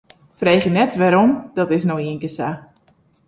Freegje net wêrom, dat is no ienkear sa.